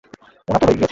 ওনার তো হয়ে গেছে।